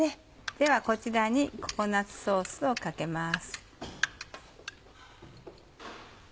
ではこちらにココナッツソースをかけます。